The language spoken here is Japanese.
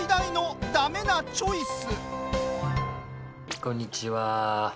こんにちは。